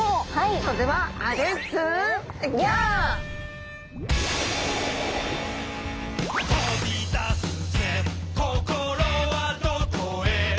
それでは「飛び出すぜ心はどこへ」